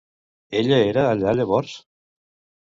Ella era allà llavors?